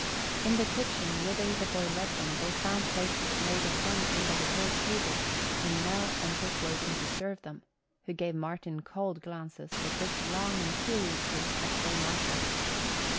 In the kitchen, whither the boy led them, they found places laid at one end of a great table and Nell Entick waiting to serve them, who gave Martin cold glances but looked long and curiously at Phil Marsham.